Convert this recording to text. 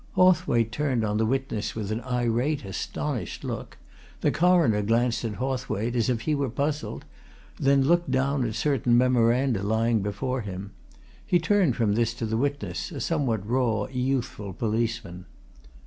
Hawthwaite turned on the witness with an irate, astonished look; the Coroner glanced at Hawthwaite as if he were puzzled; then looked down at certain memoranda lying before him. He turned from this to the witness, a somewhat raw, youthful policeman.